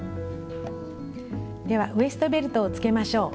ではウエストベルトをつけましょう。